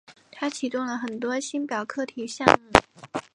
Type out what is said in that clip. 他启动了很多星表课题项目。